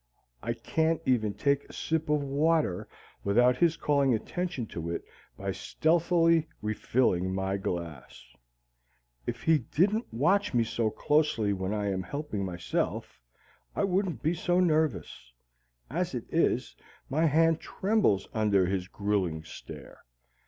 I can't even take a sip of water without his calling attention to it by stealthily refilling my glass. If he didn't watch me so closely when I am helping myself, I wouldn't be so nervous. As it is, my hand trembles under his grueling stare.